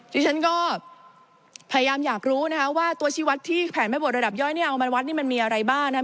ที่ฉันก็พยายามอยากรู้นะคะว่าตัวชีวัตรที่แผนแม่บทระดับย่อยเนี่ยเอามาวัดนี่มันมีอะไรบ้างนะครับ